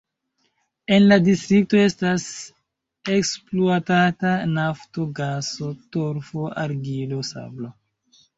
En la distrikto estas ekspluatata nafto, gaso, torfo, argilo, sablo.